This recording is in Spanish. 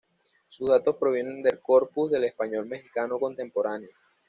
Sus datos provienen del "Corpus del español mexicano contemporáneo".